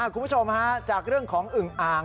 คุณผู้ชมฮะจากเรื่องของอึงอ่าง